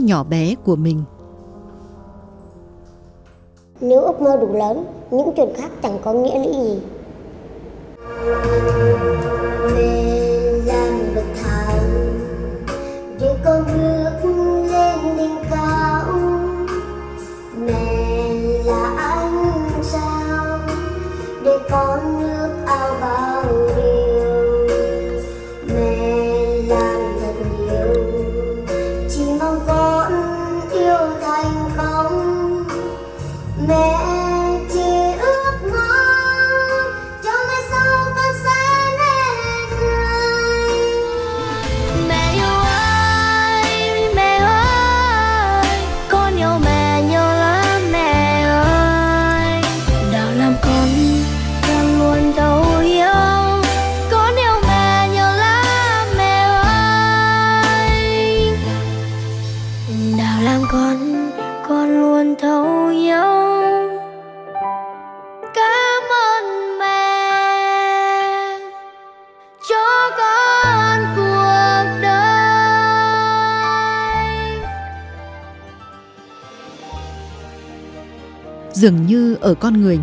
nếu ước mơ đủ lớn những chuyện khác chẳng có nghĩa nữa gì